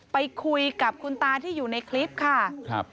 ไปคุยกับคุณตาที่อยู่ในคลิปค่ะครับ